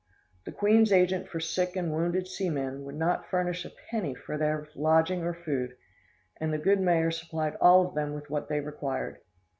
The Queen's agent for sick and wounded seamen would not furnish a penny for their lodging or food, and the good mayor supplied all of them with what they required.